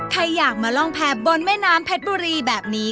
ใครอยากมาร่องแพร่บนแม่น้ำเพชรบุรีแบบนี้